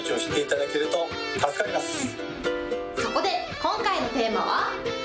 そこで、今回のテーマは。